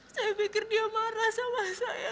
saya pikir dia marah sama saya